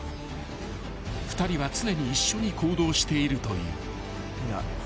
［２人は常に一緒に行動しているという］